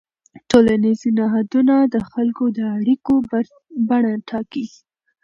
ټولنیز نهادونه د خلکو د اړیکو بڼه ټاکي.